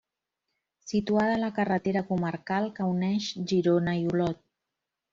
Situada a la carretera comarcal que uneix Girona i Olot.